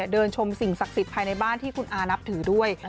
เดินชมสิ่งศักดิ์สิทธิ์ภายในบ้านที่คุณอานับถือด้วย